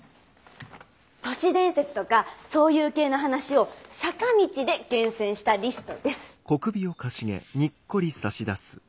都市伝説とかそういう系の話を「坂道」で厳選したリストです。